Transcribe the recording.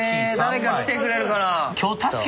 誰か来てくれるかな？